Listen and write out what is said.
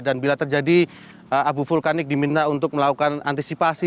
dan bila terjadi abu vulkanik diminta untuk melakukan antisipasi